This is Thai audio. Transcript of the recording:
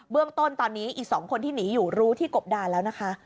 เรื่องต้นตอนนี้อีก๒คนที่หนีอยู่รู้ที่กบดานแล้วนะคะ